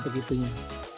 gitu gitu ya